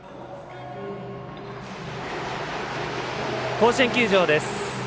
甲子園球場です。